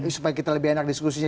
supaya kita lebih enak diskusinya